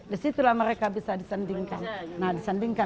disitulah mereka bisa disandingkan nah disandingkan